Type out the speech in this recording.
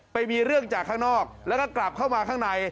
ไปมีเรื่องจากข้างนอกแล้วก็กลับเข้ามาข้างใน